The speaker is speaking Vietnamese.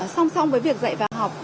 song song với việc dạy và học